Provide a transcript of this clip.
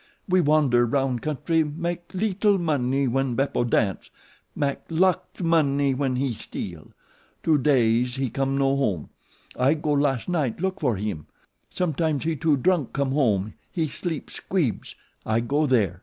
We wander 'round country mak leetle money when Beppo dance; mak lot money when HE steal. Two days he no come home. I go las' night look for him. Sometimes he too drunk come home he sleep Squeebs. I go there.